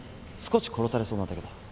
少し殺されそうなだけだ。